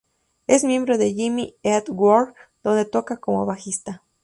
Es miembro de Jimmy Eat World, donde toca como bajista.